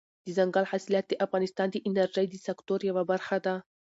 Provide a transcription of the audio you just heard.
دځنګل حاصلات د افغانستان د انرژۍ د سکتور یوه برخه ده.